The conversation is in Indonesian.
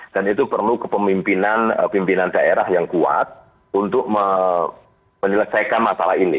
dan itu perlu kepemimpinan daerah yang kuat untuk menelesaikan masalah ini